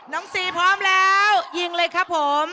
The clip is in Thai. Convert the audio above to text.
ซีพร้อมแล้วยิงเลยครับผม